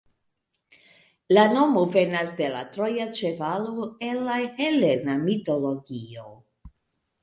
La nomo venas de la troja ĉevalo el la helena mitologio.